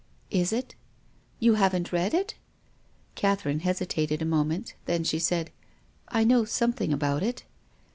"Is it?" "You haven't read it?" Catherine hesitated a moment, then she said, " I know something about it."